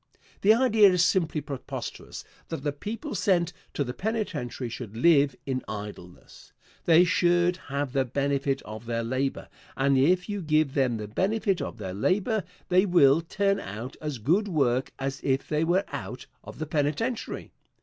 The idea is simply preposterous that the people sent to the penitentiary should live in idleness. They should have the benefit of their labor, and if you give them the benefit of their labor they will turn out as good work as if they were out of the penitentiary.